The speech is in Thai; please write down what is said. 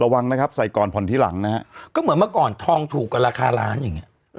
ระวังนะครับใส่ก่อนผ่อนทีหลังนะฮะก็เหมือนเมื่อก่อนทองถูกกว่าราคาล้านอย่างเงี้ย